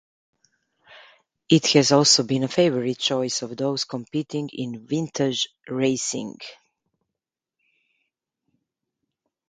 It has also been a favorite choice of those competing in vintage racing.